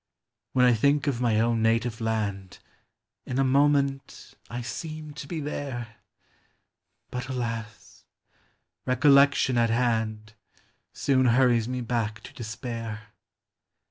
MEMORY. 313 When I think of my own native land, In a moment I seem to be there ; But, alas ! recollection at hand Soon hnrries me back to despair.